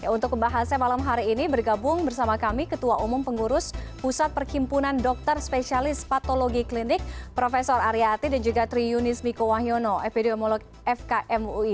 untuk membahasnya malam hari ini bergabung bersama kami ketua umum pengurus pusat perkimpunan dokter spesialis patologi klinik prof aryati dan juga tri yunis miko wahyono epidemiolog fkmui